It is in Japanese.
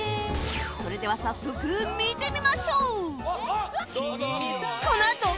それでは早速見てみましょう！